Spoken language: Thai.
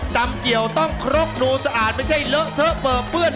เจียวต้องครกดูสะอาดไม่ใช่เลอะเทอะเปลือเปื้อน